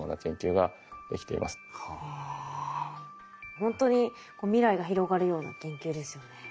ほんとに未来が広がるような研究ですよね。